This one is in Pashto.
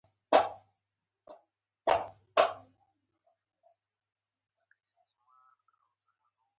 ناڅاپه الوتکو ډېر ځواکمن بمونه واچول